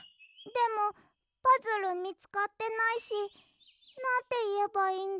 でもパズルみつかってないしなんていえばいいんだろ？